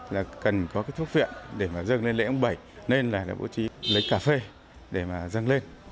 là cần có thuốc viện để dâng lên lễ ông bảy nên là bố trí lấy cà phê để dâng lên